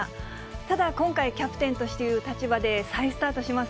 ただ、今回、キャプテンという立場で再スタートします。